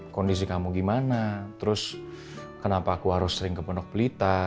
kondisi kamu gimana terus kenapa aku harus sering ke pondok pelita